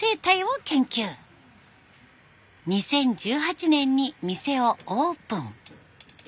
２０１８年に店をオープン。